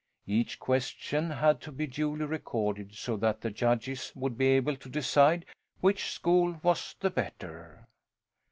Each question had to be duly recorded so that the judges would be able to decide which school was the better.